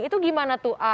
itu gimana tuh a